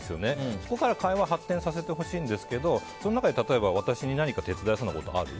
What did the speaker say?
そこから会話を発展させてほしいんですけどその中で例えば私に何か手伝えそうなことある？